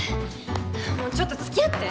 ああもうちょっとつきあって。